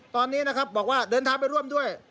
ตอนนี้นะครับบอกว่าเดินทางไปร่วมด้วย